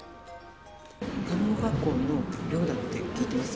専門学校の寮だって聞いてます。